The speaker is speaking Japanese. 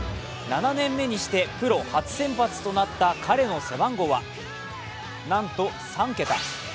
７年目にしてプロ初先発となった彼の背番号はなんと３桁。